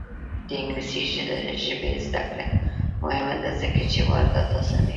د انګلیسي ژبې زده کړه مهمه ده ځکه چې واردات اسانوي.